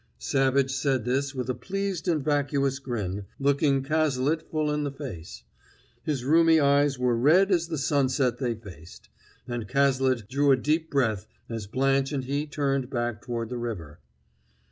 Savage said this with a pleased and vacuous grin, looking Cazalet full in the face; his rheumy eyes were red as the sunset they faced; and Cazalet drew a deep breath as Blanche and he turned back toward the river.